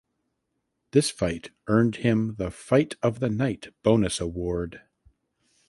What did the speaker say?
This fight earned him the "Fight of the Night" bonus award.